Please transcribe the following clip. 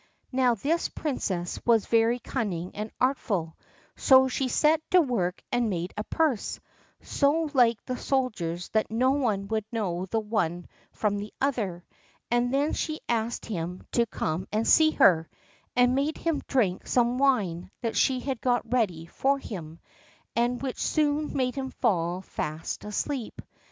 Now this princess was very cunning and artful; so she set to work and made a purse, so like the soldier's that no one would know the one from the other; and then she asked him to come and see her, and made him drink some wine that she had got ready for him, and which soon made him fall fast asleep.